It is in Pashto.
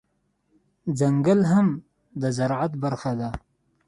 ځنګل هم د زرعت برخه ده